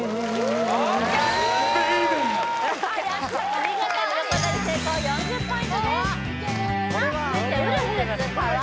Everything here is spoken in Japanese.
お見事横取り成功４０ポイントですさあ